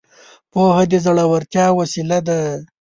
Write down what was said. پوهه د زړورتيا وسيله ده.